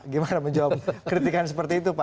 gimana menjawab kritikan seperti itu pak